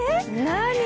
何？